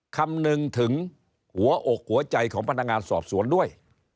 คำนึงถึงหัวอกหัวใจของพนักงานสอบสวนด้วย